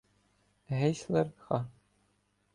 Гейслер Х.